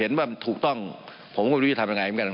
เห็นว่ามันถูกต้องผมก็ไม่รู้ว่าจะทำยังไง